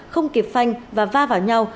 không kịp phanh và va vào nhau